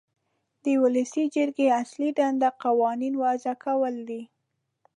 د ولسي جرګې اصلي دنده قوانین وضع کول دي.